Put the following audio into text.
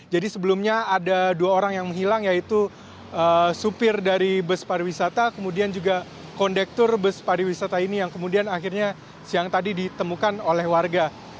jadi sebelumnya ada dua orang yang menghilang yaitu supir dari bus pariwisata kemudian juga kondektur bus pariwisata ini yang kemudian akhirnya siang tadi ditemukan oleh warga